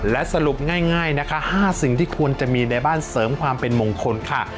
และสรุปง่ายนะคะ๕สิ่งที่ควรจะมีในบ้านเสริมความเป็นมงคลค่ะ